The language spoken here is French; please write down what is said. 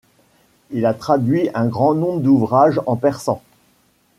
Il a traduit un grand nombre d'ouvrages en persan.